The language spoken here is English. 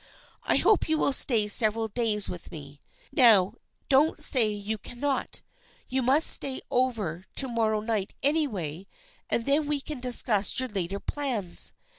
I hope you will stay several days with me. Now don't say you cannot. You must stay over to morrow night anyway, and then we can discuss your later plans.